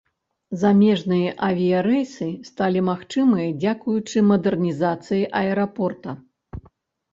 Замежныя авіярэйсы сталі магчымыя дзякуючы мадэрнізацыі аэрапорта.